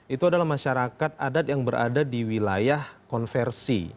itu adalah masyarakat adat yang berada di wilayah konversi